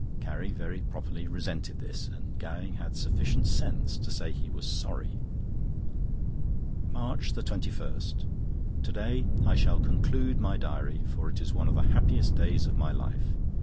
Carrie very properly resented this, and Gowing had sufficient sense to say he was sorry. MARCH 21.—To day I shall conclude my diary, for it is one of the happiest days of my life.